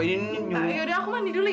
ya udah aku mandi dulu ya